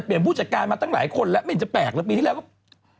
ผู้จัดการมาตั้งหลายคนแล้วไม่เห็นจะแปลกแล้วปีที่แล้วก็